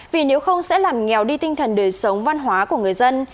vì nếu không sẽ làm nghèo đi tinh thần đời sống văn hóa của người dân